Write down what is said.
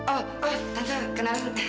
oh tante kenalan